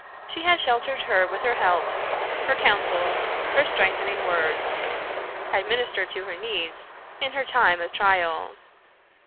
She had sheltered her with her help, her counsel, her strengthening words; had ministered to her needs in her time of trial.